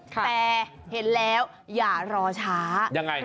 แต่เห็นแล้วอย่ารอช้าว่ามันหมด